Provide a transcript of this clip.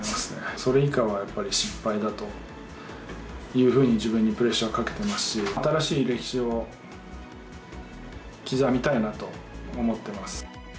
それ以下はやっぱり失敗だというふうに、自分にプレッシャーをかけてますし、新しい歴史を刻みたいなと思ってます。